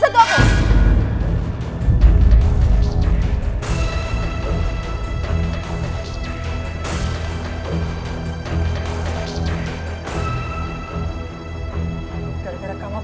kaya kayak keuangan bukan keuangan uang